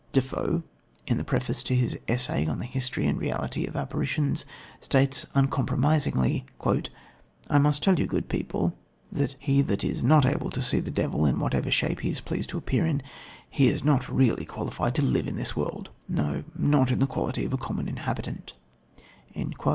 Defoe, in the preface to his Essay on the History and Reality of Apparitions (1727) states uncompromisingly: "I must tell you, good people, he that is not able to see the devil, in whatever shape he is pleased to appear in, he is not really qualified to live in this world, no, not in the quality of a common inhabitant."